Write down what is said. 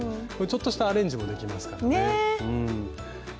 こういうちょっとしたアレンジもできますからね。